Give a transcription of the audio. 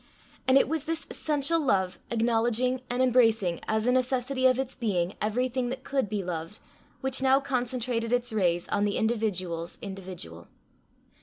And it was this essential love, acknowledging and embracing, as a necessity of its being, everything that could be loved, which now concentrated its rays on the individual's individual.